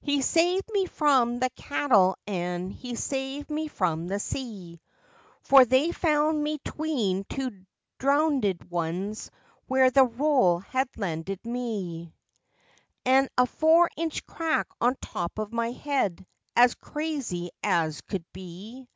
He saved me from the cattle an' He saved me from the sea, For they found me 'tween two drownded ones where the roll had landed me An' a four inch crack on top of my head, as crazy as could be.